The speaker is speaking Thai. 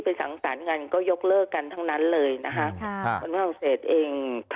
คือสังสรรค์เงินก็ยกเลิกกันทั้งนั้นเลยนะฮะค่ะผู้ภาคศูนย์ฝรั่งเศสเอง